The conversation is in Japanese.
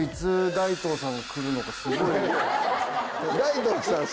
大東さん。